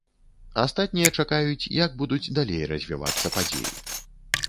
Астатнія чакаюць, як будуць далей развівацца падзеі.